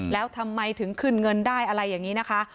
แล้วทำไมถึงขึ้นเงินได้อะไรอย่างนี้นะคะ